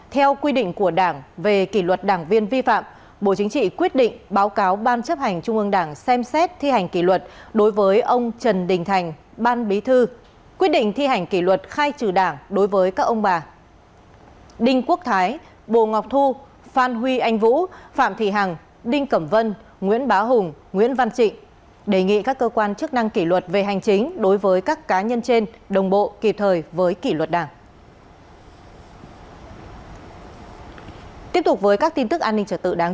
sau khi xem xét đề nghị của ủy ban kiểm tra trung ương bộ chính trị ban bí thư nhận thấy các ông bà trần đình thành đinh quốc thái đinh quốc thái bồ ngọc thu phan huy anh vũ phạm thị hằng đinh cẩm vân nguyễn bá hùng nguyễn văn trịnh đã vi phạm quy định về những điều đảng viên không được làm và trách nhiệm nêu gương ảnh hưởng xấu đến uy tín của tổ chức đảng